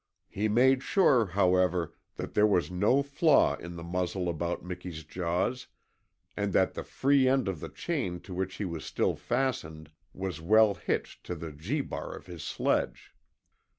He made sure, however, that there was no flaw in the muzzle about Miki's jaws, and that the free end of the chain to which he was still fastened was well hitched to the Gee bar of his sledge.